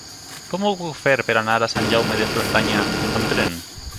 Com ho puc fer per anar a Sant Jaume de Frontanyà amb tren?